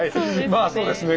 まあそうですね